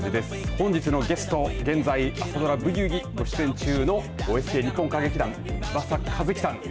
本日のゲスト現在朝ドラブギウギにご出演中のＯＳＫ日本歌劇団翼和希さん